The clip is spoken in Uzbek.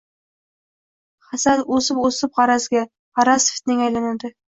Hasad o’sib o’sib g’arazga, g’araz-fitnaga aylanadi.